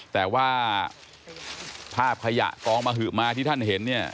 แต่ว่าภาพขยะกองมะหือม้าที่ท่านเห็น